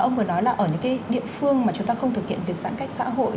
ông vừa nói là ở những cái địa phương mà chúng ta không thực hiện việc giãn cách xã hội